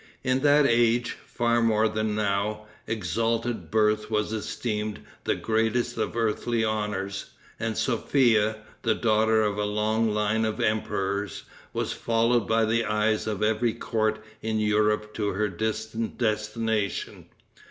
In that age, far more than now, exalted birth was esteemed the greatest of earthly honors; and Sophia, the daughter of a long line of emperors, was followed by the eyes of every court in Europe to her distant destination.